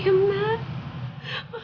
kamu diam nak